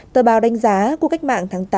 tờ bào đánh giá của cách mạng tháng tám